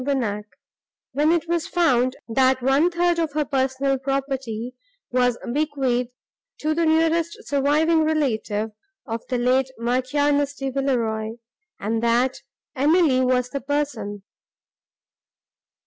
Bonnac, when it was found, that one third of her personal property was bequeathed to the nearest surviving relative of the late Marchioness de Villeroi, and that Emily was the person.